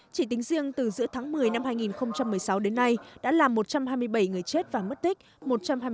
chỉ tính riêng từ giữa tháng một mươi năm hai nghìn một mươi sáu đến nay đã làm một trăm hai mươi bảy người chết và mất tích